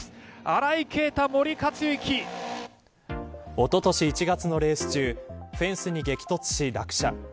おととし１月のレース中フェンスに激突し落車。